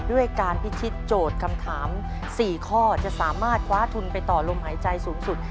ด้วยการพิทิศโจทย์คำถาม๔ข้อจะสามารถคว้าทุนไปต่อลมหายใจสูงสุด